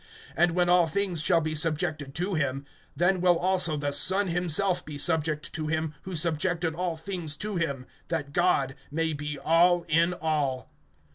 (28)And when all things shall be subjected to him, then will also the Son himself be subject to him who subjected all things to him, that God may be all in all.